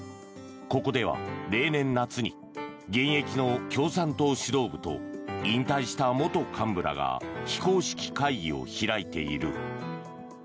ここでは例年夏に現役の共産党指導部と引退した元幹部らが非公式会議を開いている。